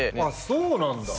そうなんだ。